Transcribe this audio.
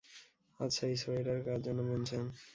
আচ্ছা, এই সোয়েটার কার জন্য বুনছেন?